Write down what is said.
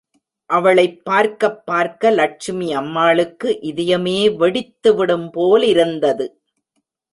அவளைப் பார்க்கப் பார்க்க லட்சுமி அம்மாளுக்கு இதயமே வெடித்து விடும் போலிருந்தது.